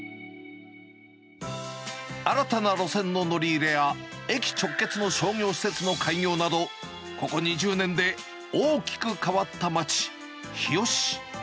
新たな路線の乗り入れや、駅直結の商業施設の開業など、ここ２０年で大きく変わった街、日吉。